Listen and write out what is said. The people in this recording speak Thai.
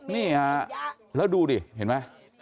นี่ฮะแล้วดูดิเห็นไหม